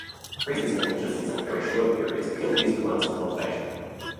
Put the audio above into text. Freezing temperatures except for very short periods will kill these plants in cultivation.